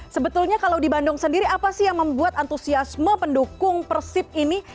sebetulnya kalau di bandung sendiri apa sih yang membuat antusiasme pendukung persib ini